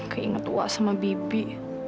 keinget uas sama bibi